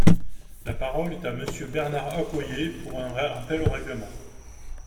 La parole est à Monsieur Bernard Accoyer, pour un rappel au règlement.